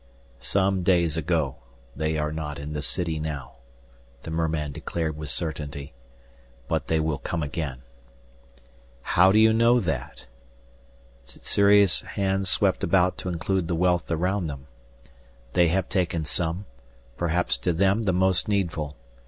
"Some days ago. They are not in the city now," the merman declared with certainty. "But they will come again." "How do you know that?" Sssuri's hand swept about to include the wealth around them. "They have taken some, perhaps to them the most needful.